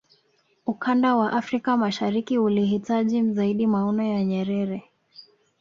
ukanda wa afrika mashariki ulihitaji zaidi maono ya nyerere